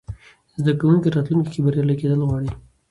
زده کوونکي راتلونکې کې بریالي کېدل غواړي.